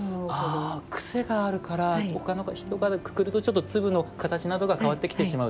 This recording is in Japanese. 癖があるからほかの人がくくるとちょっと粒の形などが変わってきてしまうということなんですか。